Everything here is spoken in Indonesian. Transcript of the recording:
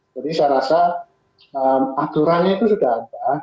jadi saya rasa aturannya itu sudah ada